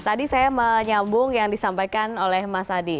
tadi saya menyambung yang disampaikan oleh mas adi